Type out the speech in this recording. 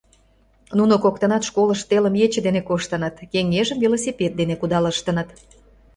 Нуно коктынат школыш телым ече дене коштыныт, кеҥежым велосипед дене кудалыштыныт.